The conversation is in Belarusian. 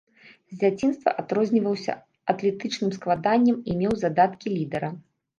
З дзяцінства адрозніваўся атлетычных складаннем і меў задаткі лідара.